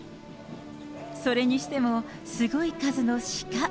それにしても、すごい数のシカ。